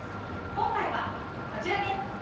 今回は、こちらです。